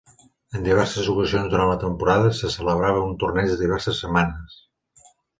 En diverses ocasions durant la temporada, se celebrava un torneig de diverses setmanes.